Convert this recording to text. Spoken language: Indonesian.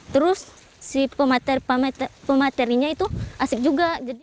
terus si pematerinya itu asik juga